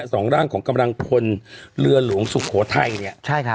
สองร่างของกำลังพลเรือหลวงสุโขทัยเนี่ยใช่ครับ